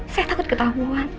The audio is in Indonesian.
saya takut ketahuan